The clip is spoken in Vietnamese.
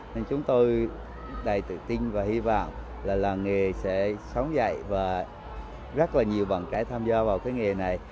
nên chúng tôi đầy tự tin và hy vọng là làng nghề sẽ sống dậy và rất là nhiều bạn trẻ tham gia vào cái nghề này